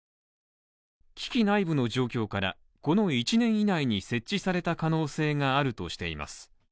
機器内部の状況から、この１年以内に設置された可能性があるとしています。